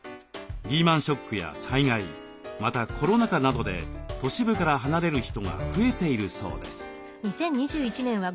リーマンショックや災害またコロナ禍などで都市部から離れる人が増えているそうです。